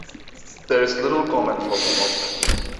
There is little comment from the author.